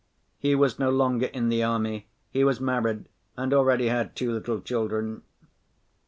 He was no longer in the army, he was married and already had two little children.